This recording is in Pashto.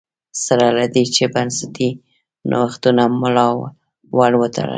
سره له دې چې بنسټي نوښتونو ملا ور وتړله